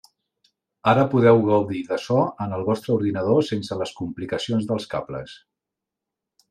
Ara podeu gaudir de so en el vostre ordinador sense les complicacions dels cables.